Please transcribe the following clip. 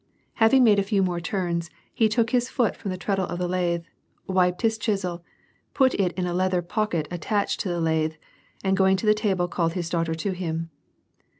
Having made a few more turns, he took his foot from the treadle of the lathe, wiped his chisel, put it in a leather pocket attached to the lathe, and going to the table called his daughter to him.